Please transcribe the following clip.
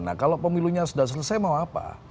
nah kalau pemilunya sudah selesai mau apa